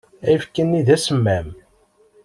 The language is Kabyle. Ayefki-nni d asemmam.